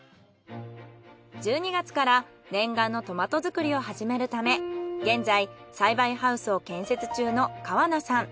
１２月から念願のトマト作りを始めるため現在栽培ハウスを建設中の川名さん。